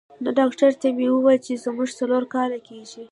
نه، ډاکټر ته مې وویل چې زموږ څلور کاله کېږي.